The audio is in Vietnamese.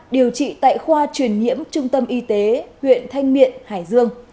điều trị tại khoa truyền nhiễm trung tâm y tế huyện thanh miện hải dương